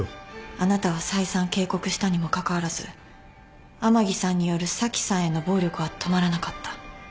あなたが再三警告したにもかかわらず甘木さんによる紗季さんへの暴力は止まらなかった。